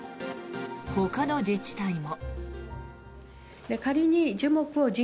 ほかの自治体も。